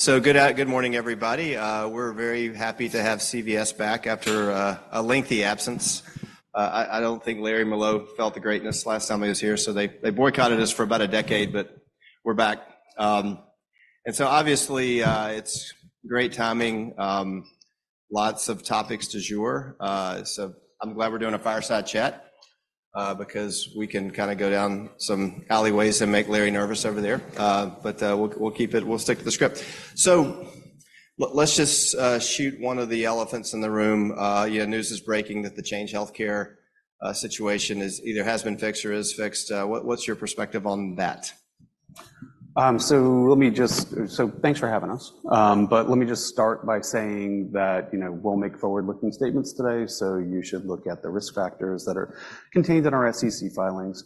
So good morning, everybody. We're very happy to have CVS back after a lengthy absence. I don't think Larry Merlo felt the greatness last time he was here, so they boycotted us for about a decade, but we're back. And so obviously, it's great timing. Lots of topics du jour. So I'm glad we're doing a fireside chat because we can kind of go down some alleyways and make Larry nervous over there. But we'll keep it; we'll stick to the script. So let's just shoot one of the elephants in the room. News is breaking that the Change Healthcare situation either has been fixed or is fixed. What's your perspective on that? So let me just say thanks for having us. But let me just start by saying that we'll make forward-looking statements today, so you should look at the risk factors that are contained in our SEC filings.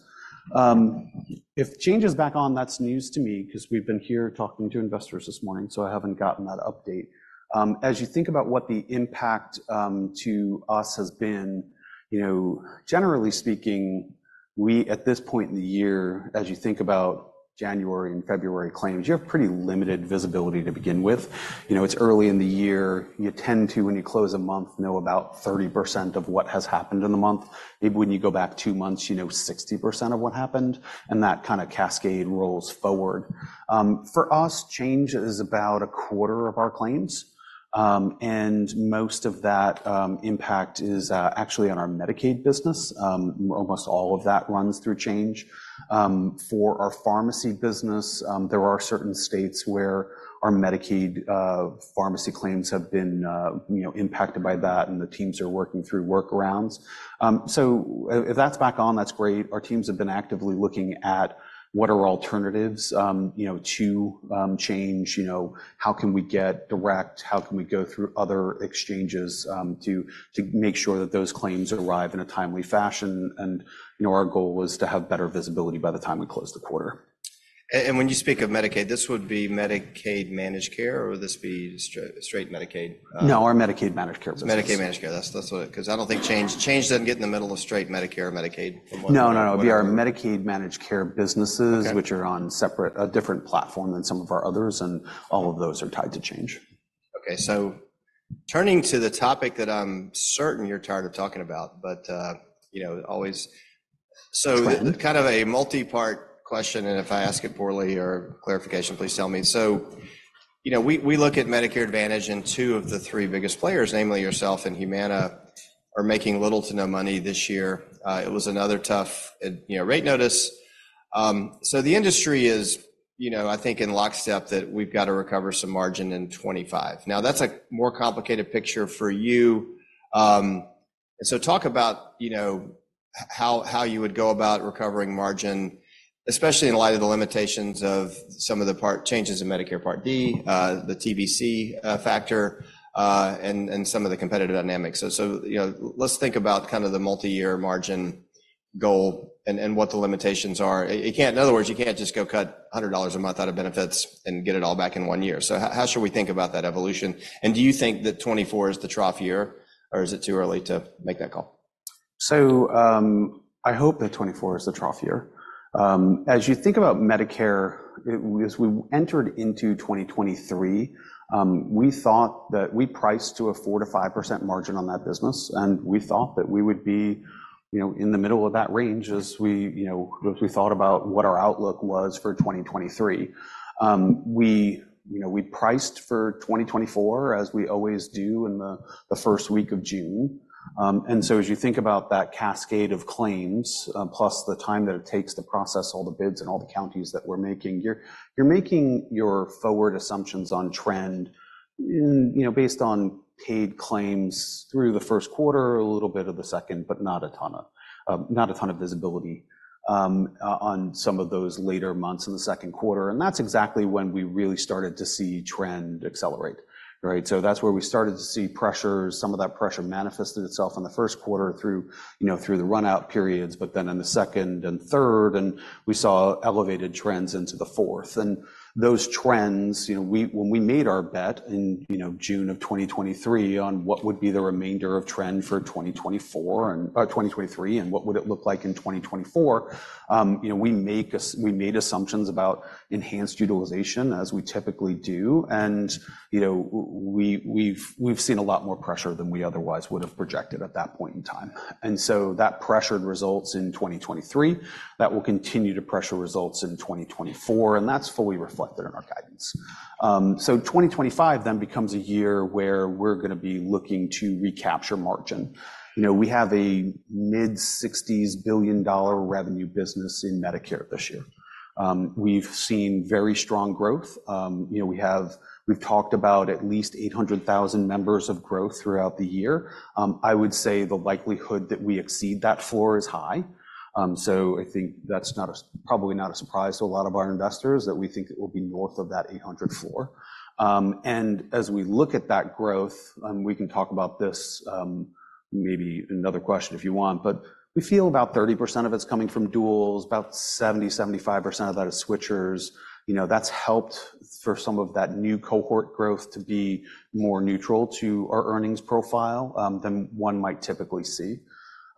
If Change is back on, that's news to me because we've been here talking to investors this morning, so I haven't gotten that update. As you think about what the impact to us has been, generally speaking, at this point in the year, as you think about January and February claims, you have pretty limited visibility to begin with. It's early in the year. You tend to, when you close a month, know about 30% of what has happened in the month. Maybe when you go back two months, you know 60% of what happened, and that kind of cascade rolls forward. For us, Change is about a quarter of our claims. Most of that impact is actually on our Medicaid business. Almost all of that runs through Change. For our pharmacy business, there are certain states where our Medicaid pharmacy claims have been impacted by that, and the teams are working through workarounds. So if that's back on, that's great. Our teams have been actively looking at what are alternatives to Change. How can we get direct? How can we go through other exchanges to make sure that those claims arrive in a timely fashion? And our goal is to have better visibility by the time we close the quarter. When you speak of Medicaid, this would be Medicaid Managed Care, or would this be straight Medicaid? No, our Medicaid Managed Care. Medicaid Managed Care. Because I don't think Change doesn't get in the middle of straight Medicare or Medicaid. No, no, no. It'd be our Medicaid Managed Care businesses, which are on a different platform than some of our others, and all of those are tied to Change. Okay. So turning to the topic that I'm certain you're tired of talking about, but always so kind of a multi-part question, and if I ask it poorly or clarification, please tell me. So we look at Medicare Advantage and two of the three biggest players, namely yourself and Humana, are making little to no money this year. It was another tough rate notice. So the industry is, I think, in lockstep that we've got to recover some margin in 2025. Now, that's a more complicated picture for you. And so talk about how you would go about recovering margin, especially in light of the limitations of some of the changes in Medicare Part D, the TBC factor, and some of the competitive dynamics. So let's think about kind of the multi-year margin goal and what the limitations are. In other words, you can't just go cut $100 a month out of benefits and get it all back in one year. So how should we think about that evolution? And do you think that 2024 is the trough year, or is it too early to make that call? So I hope that 2024 is the trough year. As you think about Medicare, as we entered into 2023, we thought that we priced to a 4%-5% margin on that business, and we thought that we would be in the middle of that range as we thought about what our outlook was for 2023. We priced for 2024 as we always do in the first week of June. And so as you think about that cascade of claims, plus the time that it takes to process all the bids and all the counties that we're making, you're making your forward assumptions on trend based on paid claims through the first quarter, a little bit of the second, but not a ton of visibility on some of those later months in the second quarter. And that's exactly when we really started to see trend accelerate, right? So that's where we started to see pressures. Some of that pressure manifested itself in the first quarter through the runout periods, but then in the second and third, and we saw elevated trends into the fourth. And those trends, when we made our bet in June of 2023 on what would be the remainder of trend for 2023 and what would it look like in 2024, we made assumptions about enhanced utilization as we typically do. And we've seen a lot more pressure than we otherwise would have projected at that point in time. And so that pressured results in 2023. That will continue to pressure results in 2024, and that's fully reflected in our guidance. So 2025 then becomes a year where we're going to be looking to recapture margin. We have a mid-$60 billion revenue business in Medicare this year. We've seen very strong growth. We've talked about at least 800,000 members of growth throughout the year. I would say the likelihood that we exceed that floor is high. So I think that's probably not a surprise to a lot of our investors that we think it will be north of that 800 floor. And as we look at that growth, we can talk about this maybe another question if you want, but we feel about 30% of it's coming from duals, about 70%, 75% of that is switchers. That's helped for some of that new cohort growth to be more neutral to our earnings profile than one might typically see.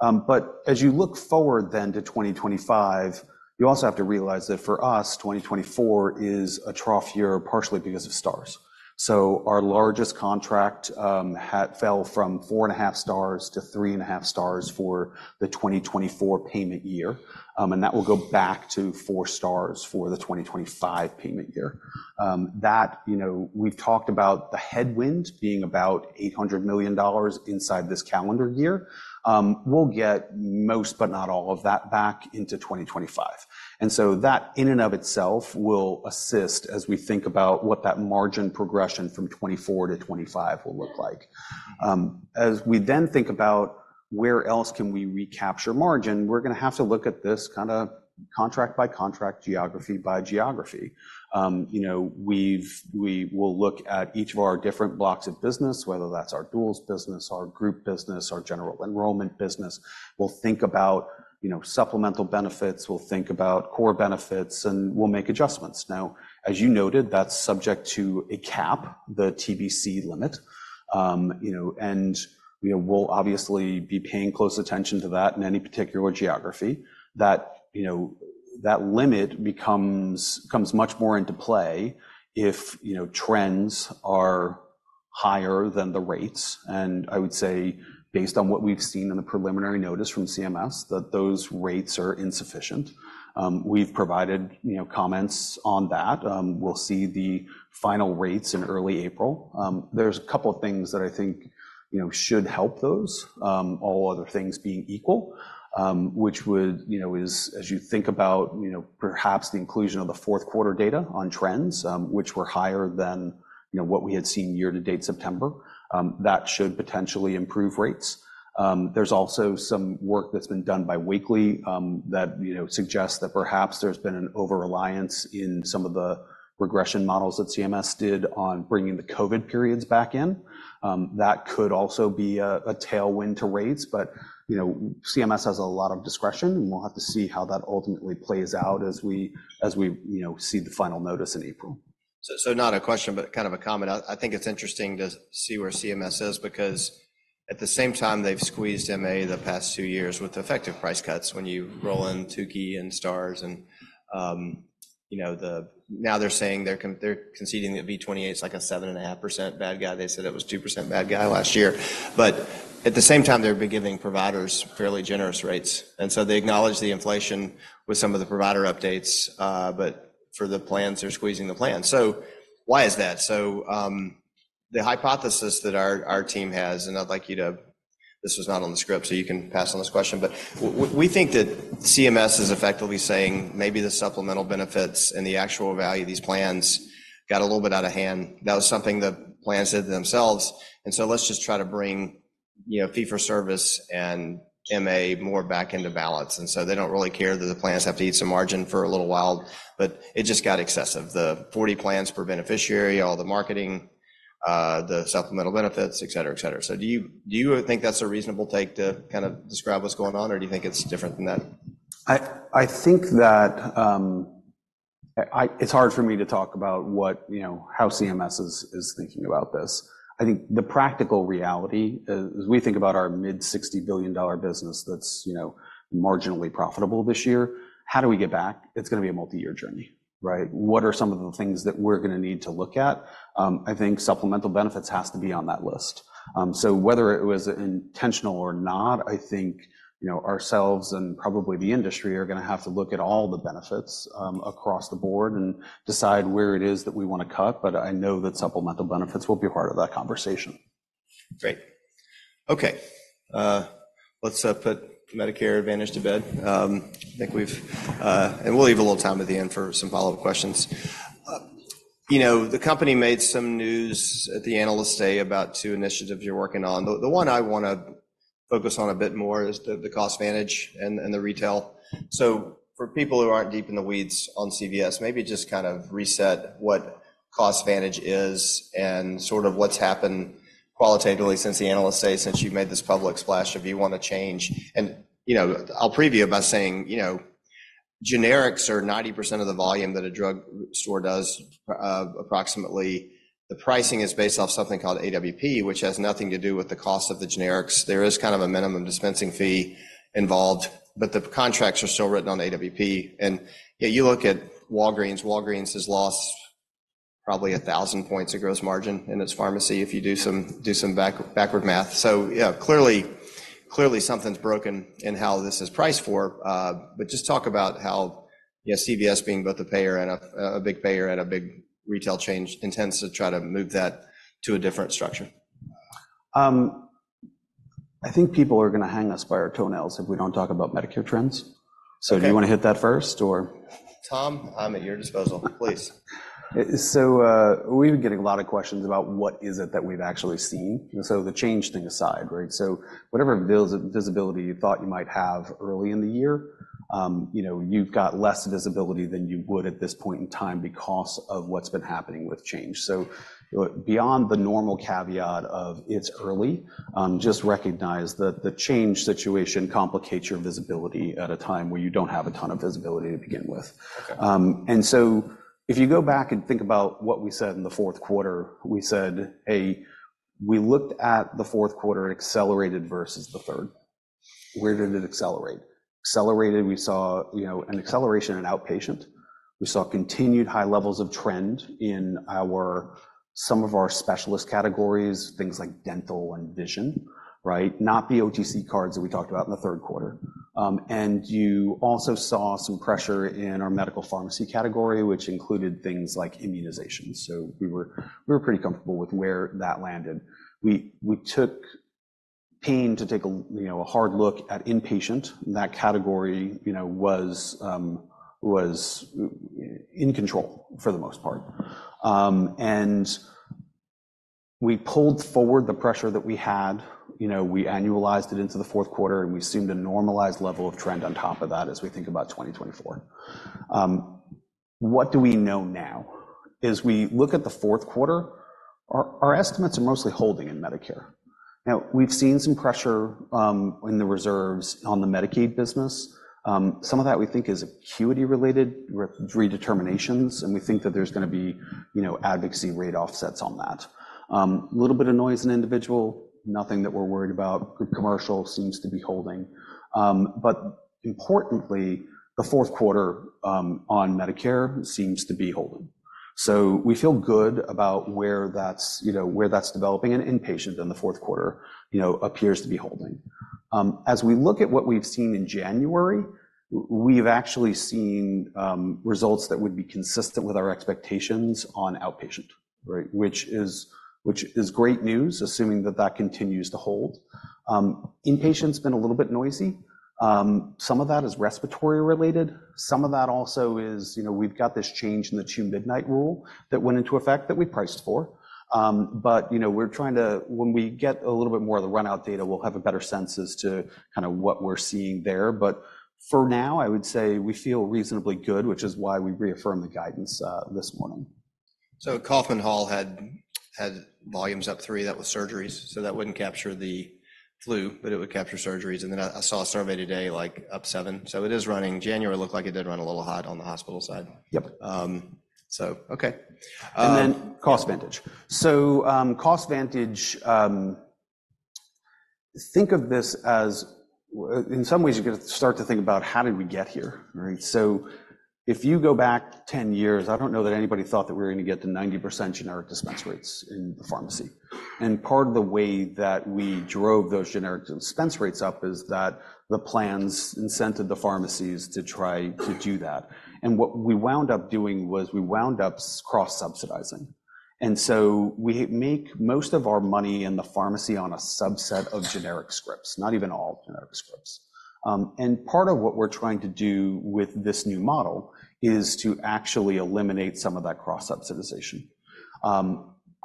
But as you look forward then to 2025, you also have to realize that for us, 2024 is a trough year partially because of Stars. So our largest contract fell from 4.5 Stars to 3.5 Stars for the 2024 payment year. And that will go back to 4 Stars for the 2025 payment year. We've talked about the headwinds being about $800 million inside this calendar year. We'll get most, but not all of that back into 2025. And so that in and of itself will assist as we think about what that margin progression from 2024 to 2025 will look like. As we then think about where else can we recapture margin, we're going to have to look at this kind of contract by contract, geography by geography. We will look at each of our different blocks of business, whether that's our Duals business, our group business, our general enrollment business. We'll think about supplemental benefits. We'll think about core benefits, and we'll make adjustments. Now, as you noted, that's subject to a cap, the TBC limit. And we'll obviously be paying close attention to that in any particular geography. That limit comes much more into play if trends are higher than the rates. And I would say, based on what we've seen in the preliminary notice from CMS, that those rates are insufficient. We've provided comments on that. We'll see the final rates in early April. There's a couple of things that I think should help those, all other things being equal, which would, as you think about perhaps the inclusion of the fourth quarter data on trends, which were higher than what we had seen year to date, September, that should potentially improve rates. There's also some work that's been done by Wakely that suggests that perhaps there's been an overreliance in some of the regression models that CMS did on bringing the COVID periods back in. That could also be a tailwind to rates, but CMS has a lot of discretion, and we'll have to see how that ultimately plays out as we see the final notice in April. So not a question, but kind of a comment. I think it's interesting to see where CMS is because at the same time, they've squeezed MA the past 2 years with effective price cuts when you roll in Tukey and Stars. Now they're conceding that V28 is like a 7.5% bad guy. They said it was 2% bad guy last year. But at the same time, they've been giving providers fairly generous rates. And so they acknowledge the inflation with some of the provider updates, but for the plans, they're squeezing the plans. So why is that? So the hypothesis that our team has, and I'd like you to this was not on the script, so you can pass on this question, but we think that CMS is effectively saying maybe the supplemental benefits and the actual value of these plans got a little bit out of hand. That was something the plans did themselves. And so let's just try to bring fee for service and MA more back into balance. And so they don't really care that the plans have to eat some margin for a little while, but it just got excessive. The 40 plans per beneficiary, all the marketing, the supplemental benefits, etc. So do you think that's a reasonable take to kind of describe what's going on, or do you think it's different than that? I think that it's hard for me to talk about how CMS is thinking about this. I think the practical reality, as we think about our $60 billion business that's marginally profitable this year, how do we get back? It's going to be a multi-year journey, right? What are some of the things that we're going to need to look at? I think supplemental benefits has to be on that list. So whether it was intentional or not, I think ourselves and probably the industry are going to have to look at all the benefits across the board and decide where it is that we want to cut. But I know that supplemental benefits will be part of that conversation. Great. Okay. Let's put Medicare Advantage to bed. I think we've and we'll leave a little time at the end for some follow-up questions. The company made some news at the Analyst Day about two initiatives you're working on. The one I want to focus on a bit more is the CostVantage and the retail. So for people who aren't deep in the weeds on CVS, maybe just kind of reset what CostVantage is and sort of what's happened qualitatively since the Analyst Day, since you made this public splash, if you want to change. And I'll preview by saying generics are 90% of the volume that a drug store does approximately. The pricing is based off something called AWP, which has nothing to do with the cost of the generics. There is kind of a minimum dispensing fee involved, but the contracts are still written on AWP. Yeah, you look at Walgreens. Walgreens has lost probably 1,000 points of gross margin in its pharmacy if you do some backward math. So yeah, clearly something's broken in how this is priced for. But just talk about how CVS being both a payer and a big payer and a big retail chain intends to try to move that to a different structure. I think people are going to hang us by our toenails if we don't talk about Medicare trends. So do you want to hit that first? Tom, I'm at your disposal. Please. So we've been getting a lot of questions about what is it that we've actually seen. So the Change thing aside, right? So whatever visibility you thought you might have early in the year, you've got less visibility than you would at this point in time because of what's been happening with Change. So beyond the normal caveat of it's early, just recognize that the Change situation complicates your visibility at a time where you don't have a ton of visibility to begin with. And so if you go back and think about what we said in the fourth quarter, we said, "Hey, we looked at the fourth quarter accelerated versus the third." Where did it accelerate? Accelerated, we saw an acceleration in outpatient. We saw continued high levels of trend in some of our specialist categories, things like dental and vision, right? Not the OTC cards that we talked about in the third quarter. You also saw some pressure in our medical pharmacy category, which included things like immunizations. We were pretty comfortable with where that landed. We took pain to take a hard look at inpatient. That category was in control for the most part. We pulled forward the pressure that we had. We annualized it into the fourth quarter, and we seemed to normalize level of trend on top of that as we think about 2024. What do we know now? As we look at the fourth quarter, our estimates are mostly holding in Medicare. Now, we've seen some pressure in the reserves on the Medicaid business. Some of that we think is acuity-related redeterminations, and we think that there's going to be advocacy rate offsets on that. A little bit of noise in individual, nothing that we're worried about. Group commercial seems to be holding. But importantly, the fourth quarter on Medicare seems to be holding. So we feel good about where that's developing, and inpatient in the fourth quarter appears to be holding. As we look at what we've seen in January, we've actually seen results that would be consistent with our expectations on outpatient, right? Which is great news, assuming that that continues to hold. Inpatient's been a little bit noisy. Some of that is respiratory-related. Some of that also is we've got this Change in the Two-Midnight Rule that went into effect that we priced for. But we're trying to when we get a little bit more of the runout data, we'll have a better sense as to kind of what we're seeing there. But for now, I would say we feel reasonably good, which is why we reaffirm the guidance this morning. So Kaufman Hall had volumes up 3. That was surgeries. So that wouldn't capture the flu, but it would capture surgeries. And then I saw a survey today like up 7. So it is running. January looked like it did run a little hot on the hospital side. Yep. So, okay. Then CostVantage. So CostVantage, think of this as in some ways you're going to start to think about how did we get here, right? So if you go back 10 years, I don't know that anybody thought that we were going to get to 90% generic dispense rates in the pharmacy. And part of the way that we drove those generic dispense rates up is that the plans incented the pharmacies to try to do that. And what we wound up doing was we wound up cross-subsidizing. And so we make most of our money in the pharmacy on a subset of generic scripts, not even all generic scripts. And part of what we're trying to do with this new model is to actually eliminate some of that cross-subsidization.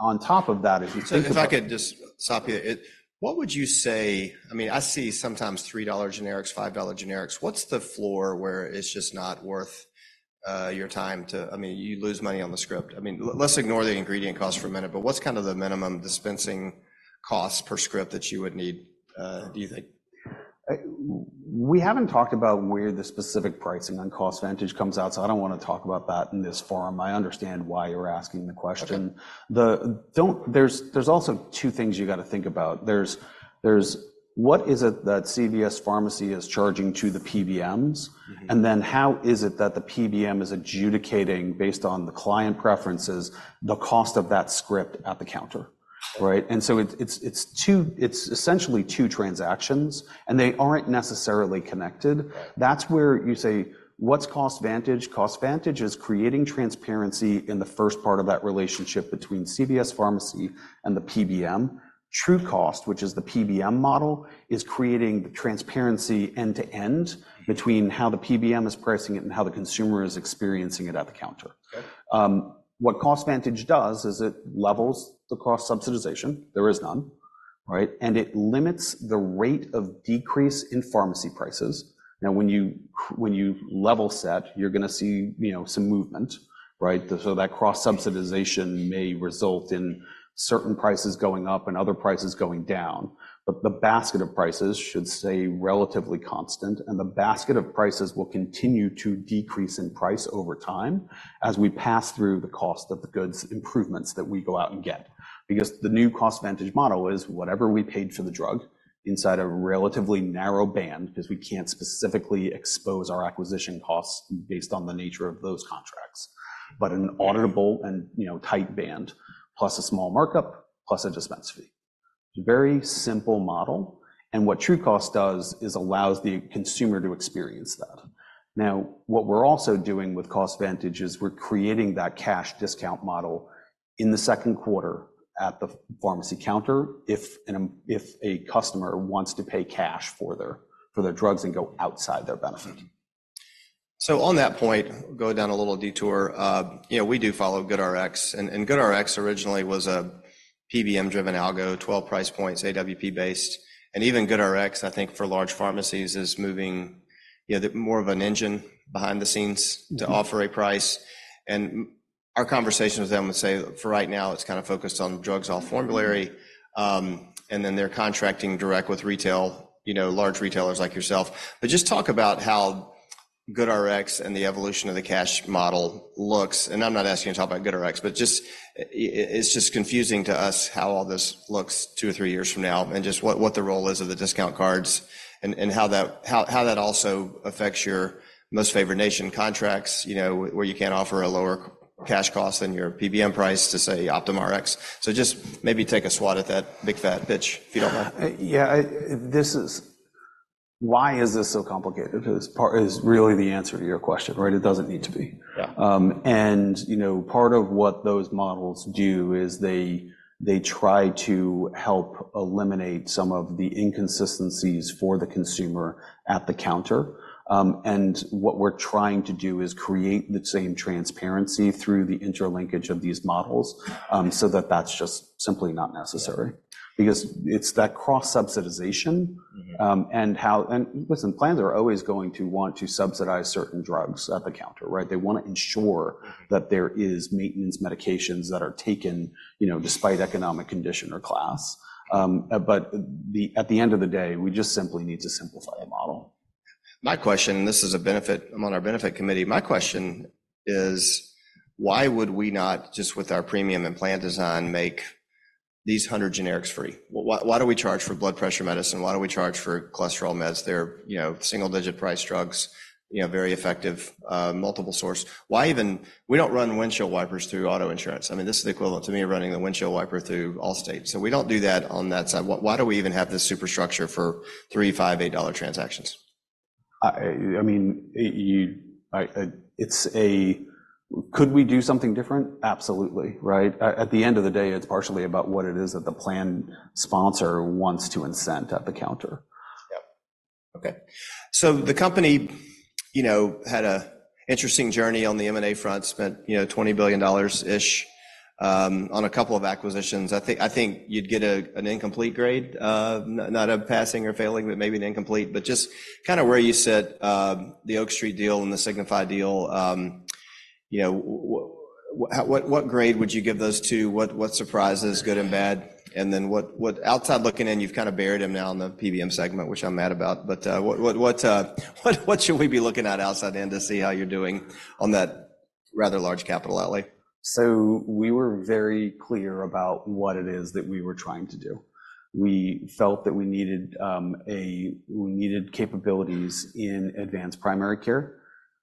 If I could just stop you, what would you say? I mean, I see sometimes $3 generics, $5 generics. What's the floor where it's just not worth your time to I mean, you lose money on the script. I mean, let's ignore the ingredient cost for a minute, but what's kind of the minimum dispensing cost per script that you would need, do you think? We haven't talked about where the specific pricing on CostVantage comes out, so I don't want to talk about that in this forum. I understand why you're asking the question. There's also two things you got to think about. What is it that CVS Pharmacy is charging to the PBMs? And then how is it that the PBM is adjudicating based on the client preferences, the cost of that script at the counter, right? And so it's essentially two transactions, and they aren't necessarily connected. That's where you say, what's CostVantage? CostVantage is creating transparency in the first part of that relationship between CVS Pharmacy and the PBM. TrueCost, which is the PBM model, is creating the transparency end to end between how the PBM is pricing it and how the consumer is experiencing it at the counter. What CostVantage does is it levels the cross-subsidization. There is none, right? And it limits the rate of decrease in pharmacy prices. Now, when you level set, you're going to see some movement, right? So that cross-subsidization may result in certain prices going up and other prices going down. But the basket of prices should stay relatively constant, and the basket of prices will continue to decrease in price over time as we pass through the cost of the goods improvements that we go out and get. Because the new CostVantage model is whatever we paid for the drug inside a relatively narrow band because we can't specifically expose our acquisition costs based on the nature of those contracts, but an auditable and tight band, plus a small markup, plus a dispense fee. It's a very simple model. What TrueCost does is allows the consumer to experience that. Now, what we're also doing with CostVantage is we're creating that cash discount model in the second quarter at the pharmacy counter if a customer wants to pay cash for their drugs and go outside their benefit. So on that point, go down a little detour. We do follow GoodRx. GoodRx originally was a PBM-driven algo, 12 price points, AWP-based. Even GoodRx, I think for large pharmacies, is moving more of an engine behind the scenes to offer a price. Our conversation with them would say, for right now, it's kind of focused on drugs all formulary. Then they're contracting direct with large retailers like yourself. But just talk about how GoodRx and the evolution of the cash model looks. I'm not asking you to talk about GoodRx, but it's just confusing to us how all this looks two or three years from now and just what the role is of the discount cards and how that also affects your most favored nation contracts where you can't offer a lower cash cost than your PBM price to say, OptumRx. Just maybe take a swat at that big fat pitch if you don't mind. Yeah. Why is this so complicated? Because part is really the answer to your question, right? It doesn't need to be. And part of what those models do is they try to help eliminate some of the inconsistencies for the consumer at the counter. And what we're trying to do is create the same transparency through the interlinkage of these models so that that's just simply not necessary. Because it's that cross-subsidization and how and listen, plans are always going to want to subsidize certain drugs at the counter, right? They want to ensure that there is maintenance medications that are taken despite economic condition or class. But at the end of the day, we just simply need to simplify the model. My question, and this is a benefit I'm on our benefit committee. My question is, why would we not, just with our premium and plan design, make these 100 generics free? Why do we charge for blood pressure medicine? Why do we charge for cholesterol meds? They're single-digit price drugs, very effective, multiple source. We don't run windshield wipers through auto insurance. I mean, this is the equivalent to me running the windshield wiper through Allstate. So we don't do that on that side. Why do we even have this superstructure for $3, $5, $8 transactions? I mean, could we do something different? Absolutely, right? At the end of the day, it's partially about what it is that the plan sponsor wants to incent at the counter. Yep. Okay. So the company had an interesting journey on the M&A front, spent $20 billion-ish on a couple of acquisitions. I think you'd get an incomplete grade, not a passing or failing, but maybe an incomplete. But just kind of where you sit, the Oak Street deal and the Signify deal, what grade would you give those two? What surprises, good and bad? And then outside looking in, you've kind of buried them now in the PBM segment, which I'm mad about. But what should we be looking at outside in to see how you're doing on that rather large capital allocation? So we were very clear about what it is that we were trying to do. We felt that we needed capabilities in advanced primary care.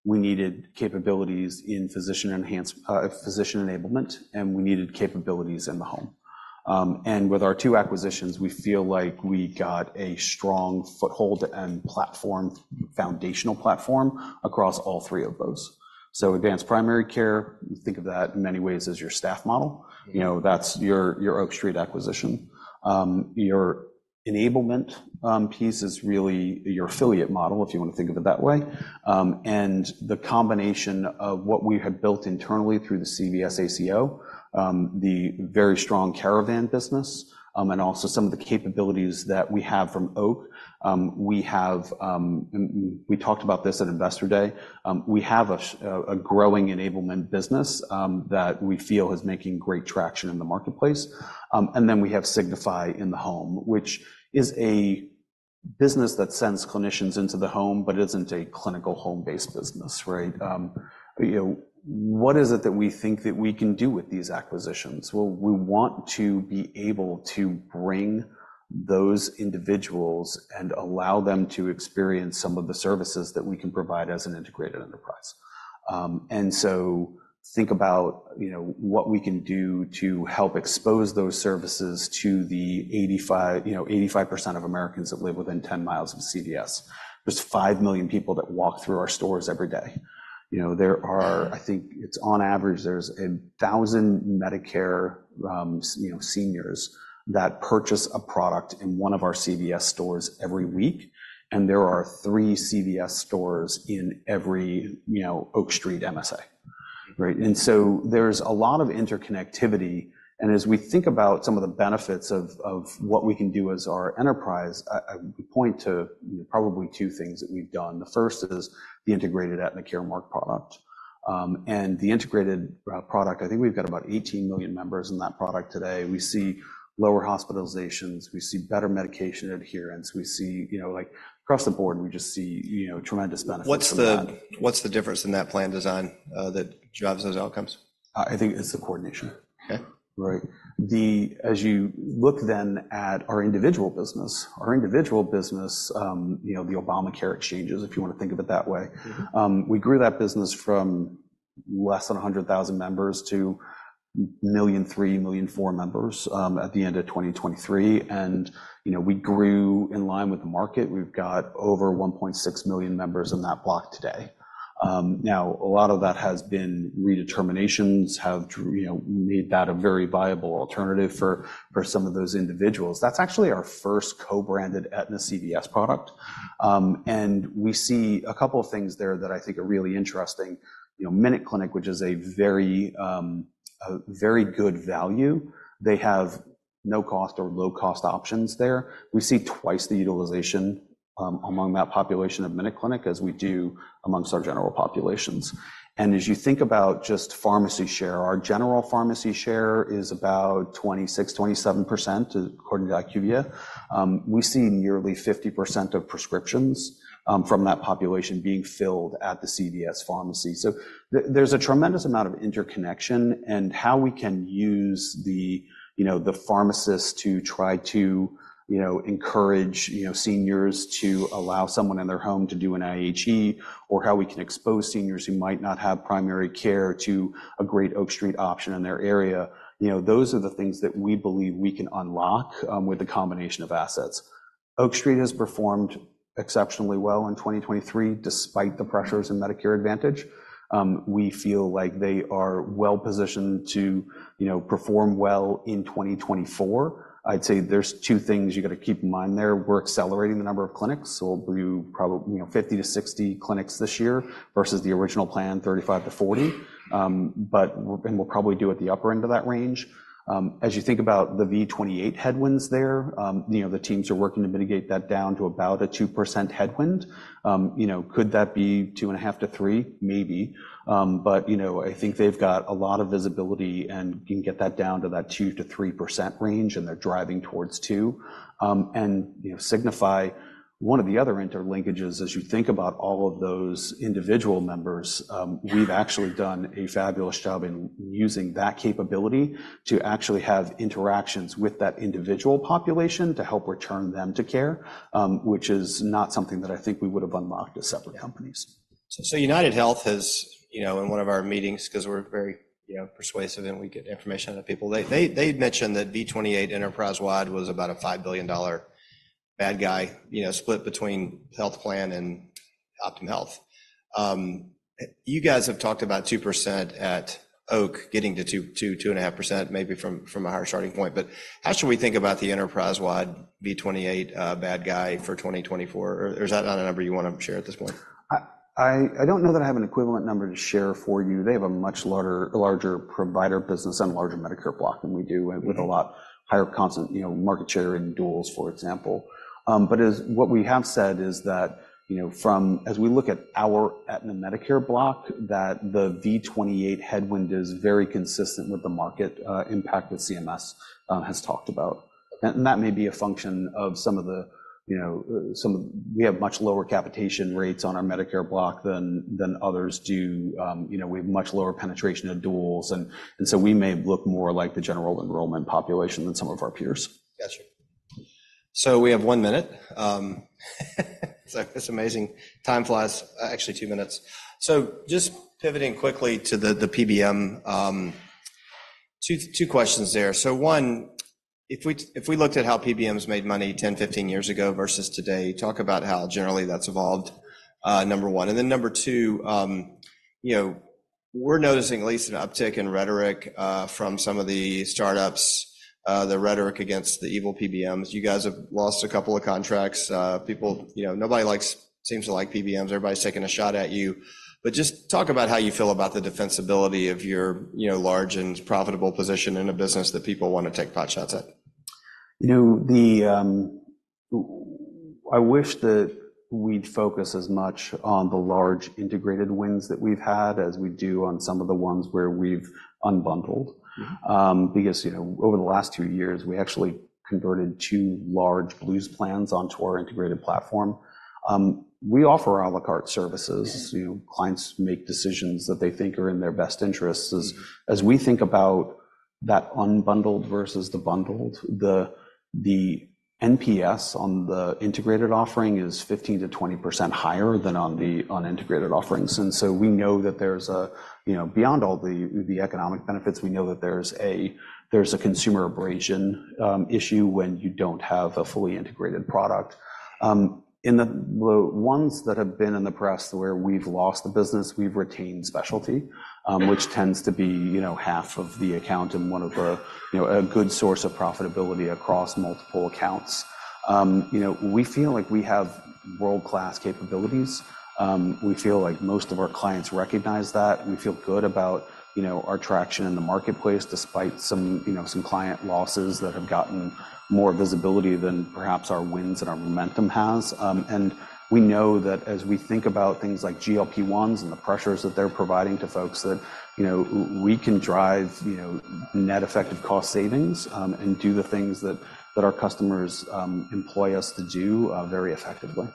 We needed capabilities in physician enablement, and we needed capabilities in the home. And with our two acquisitions, we feel like we got a strong foothold and foundational platform across all three of those. So advanced primary care, you think of that in many ways as your staff model. That's your Oak Street acquisition. Your enablement piece is really your affiliate model, if you want to think of it that way. And the combination of what we had built internally through the CVS ACO, the very strong Caravan business, and also some of the capabilities that we have from Oak, we talked about this at Investor Day. We have a growing enablement business that we feel is making great traction in the marketplace. And then we have Signify in the home, which is a business that sends clinicians into the home, but it isn't a clinical home-based business, right? What is it that we think that we can do with these acquisitions? Well, we want to be able to bring those individuals and allow them to experience some of the services that we can provide as an integrated enterprise. And so think about what we can do to help expose those services to the 85% of Americans that live within 10 miles of CVS. There's five million people that walk through our stores every day. I think on average, there's 1,000 Medicare seniors that purchase a product in one of our CVS stores every week. And there are three CVS stores in every Oak Street MSA, right? And so there's a lot of interconnectivity. As we think about some of the benefits of what we can do as our enterprise, I would point to probably two things that we've done. The first is the integrated Aetna Caremark product. The integrated product, I think we've got about 18 million members in that product today. We see lower hospitalizations. We see better medication adherence. We see across the board, we just see tremendous benefits. What's the difference in that plan design that drives those outcomes? I think it's the coordination. Okay. Right. As you look then at our individual business, our individual business, the Obamacare exchanges, if you want to think of it that way, we grew that business from less than 100,000 members to 1.3 million, 1.4 million members at the end of 2023. And we grew in line with the market. We've got over 1.6 million members in that block today. Now, a lot of that has been redeterminations have made that a very viable alternative for some of those individuals. That's actually our first co-branded Aetna CVS product. And we see a couple of things there that I think are really interesting. MinuteClinic, which is a very good value. They have no-cost or low-cost options there. We see twice the utilization among that population of MinuteClinic as we do among our general populations. As you think about just pharmacy share, our general pharmacy share is about 26%-27%, according to IQVIA. We see nearly 50% of prescriptions from that population being filled at the CVS Pharmacy. So there's a tremendous amount of interconnection and how we can use the pharmacist to try to encourage seniors to allow someone in their home to do an IHE, or how we can expose seniors who might not have primary care to a great Oak Street option in their area. Those are the things that we believe we can unlock with the combination of assets. Oak Street has performed exceptionally well in 2023 despite the pressures in Medicare Advantage. We feel like they are well positioned to perform well in 2024. I'd say there's two things you got to keep in mind there. We're accelerating the number of clinics. So we'll do probably 50-60 clinics this year versus the original plan, 35-40. And we'll probably do at the upper end of that range. As you think about the V28 headwinds there, the teams are working to mitigate that down to about a 2% headwind. Could that be 2.5%-3%? Maybe. But I think they've got a lot of visibility and can get that down to that 2%-3% range, and they're driving towards 2%. And Signify, one of the other interlinkages, as you think about all of those individual members, we've actually done a fabulous job in using that capability to actually have interactions with that individual population to help return them to care, which is not something that I think we would have unlocked as separate companies. So UnitedHealth has, in one of our meetings, because we're very persuasive and we get information out of people, they mentioned that V28 enterprise-wide was about a $5 billion bad guy split between health plan and Optum Health. You guys have talked about 2% at Oak getting to 2.5%, maybe from a higher starting point. But how should we think about the enterprise-wide V28 bad guy for 2024? Or is that not a number you want to share at this point? I don't know that I have an equivalent number to share for you. They have a much larger provider business and a larger Medicare block than we do with a lot higher constant market share in duals, for example. But what we have said is that as we look at our Aetna Medicare block, that the V28 headwind is very consistent with the market impact that CMS has talked about. And that may be a function of some of the we have much lower capitation rates on our Medicare block than others do. We have much lower penetration of duals. And so we may look more like the general enrollment population than some of our peers. Got you. So we have 1 minute. So it's amazing. Time flies. Actually, 2 minutes. So just pivoting quickly to the PBM, 2 questions there. So one, if we looked at how PBMs made money 10, 15 years ago versus today, talk about how generally that's evolved, number 1. And then number 2, we're noticing at least an uptick in rhetoric from some of the startups, the rhetoric against the evil PBMs. You guys have lost a couple of contracts. Nobody seems to like PBMs. Everybody's taking a shot at you. But just talk about how you feel about the defensibility of your large and profitable position in a business that people want to take potshots at. I wish that we'd focus as much on the large integrated wins that we've had as we do on some of the ones where we've unbundled. Because over the last two years, we actually converted two large Blues plans onto our integrated platform. We offer à la carte services. Clients make decisions that they think are in their best interests. As we think about that unbundled versus the bundled, the NPS on the integrated offering is 15%-20% higher than on integrated offerings. And so we know that there's, beyond all the economic benefits, we know that there's a consumer abrasion issue when you don't have a fully integrated product. In the ones that have been in the press where we've lost the business, we've retained specialty, which tends to be half of the account and one of the good sources of profitability across multiple accounts. We feel like we have world-class capabilities. We feel like most of our clients recognize that. We feel good about our traction in the marketplace despite some client losses that have gotten more visibility than perhaps our wins and our momentum has. And we know that as we think about things like GLP-1s and the pressures that they're providing to folks, that we can drive net effective cost savings and do the things that our customers employ us to do very effectively.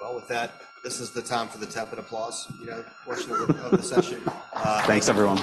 Well, with that, this is the time for the tepid applause portion of the session. Thanks, everyone.